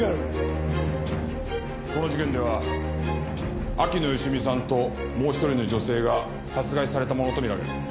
この事件では秋野芳美さんともう１人の女性が殺害されたものと見られる。